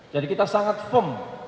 jadi kita sangat firm